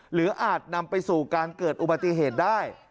อาจนำไปสู่การเกิดอุบัติเหตุได้